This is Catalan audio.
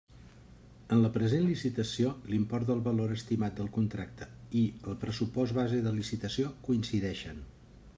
En la present licitació l'import del valor estimat del contracte i el pressupost base de licitació coincideixen.